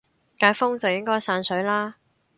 解封就應該散水啦